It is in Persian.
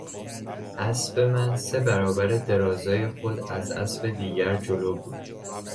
اسب من سه برابر درازای خود از اسب دیگر جلو بود.